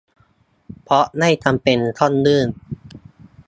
เพราะไม่จำเป็นต้องยื่น